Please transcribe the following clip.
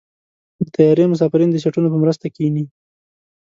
د طیارې مسافرین د سیټونو په مرسته کېني.